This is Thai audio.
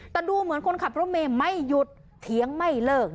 แต่ดูเหมือนคนขับรถเมย์ไม่หยุดเถียงไม่เลิก